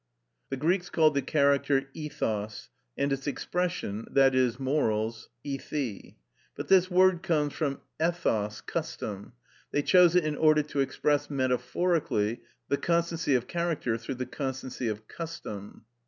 The Greeks called the character ηθος, and its expression, i.e., morals, ηθη. But this word comes from εθος, custom; they chose it in order to express metaphorically the constancy of character through the constancy of custom.